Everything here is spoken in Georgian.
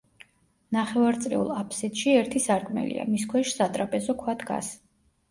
ნახევარწრიულ აფსიდში ერთი სარკმელია, მის ქვეშ სატრაპეზო ქვა დგას.